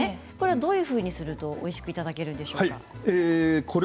どういうふうにしたらおいしくいただけるんでしょうか。